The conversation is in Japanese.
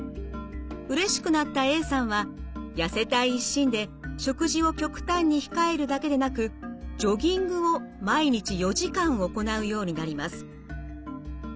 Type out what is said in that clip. うれしくなったＡさんは痩せたい一心で食事を極端に控えるだけでなくジョギングを毎日４時間行うようになります。